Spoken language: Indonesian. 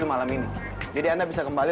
lepasin pak randy